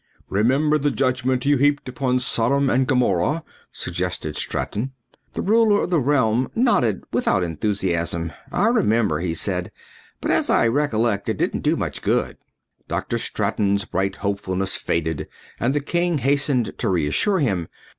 "Remember the judgment you heaped upon Sodom and upon Gomorrah," suggested Straton. The ruler of the realm nodded without enthusiasm. "I remember," he said, "but as I recollect it didn't do much good." Dr. Straton's bright hopefulness faded and the king hastened to reassure him.